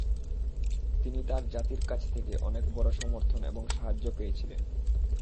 তিনি তার জাতীর কাছ থেকে অনেক বড় সমর্থন এবং সাহায্য পেয়েছিলেন।